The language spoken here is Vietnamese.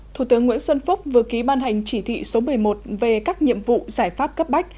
thủ tướng nguyễn xuân phúc vừa ký ban hành chỉ thị số một mươi một về các nhiệm vụ giải pháp cấp bách